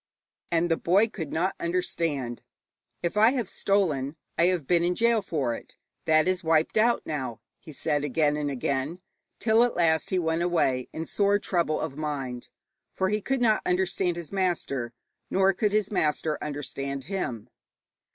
And the boy could not understand. 'If I have stolen, I have been in gaol for it. That is wiped out now,' he said again and again, till at last he went away in sore trouble of mind, for he could not understand his master, nor could his master understand him.